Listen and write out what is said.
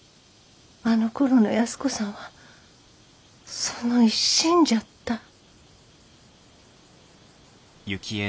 あのころの安子さんはその一心じゃった。